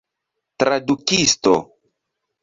tradukisto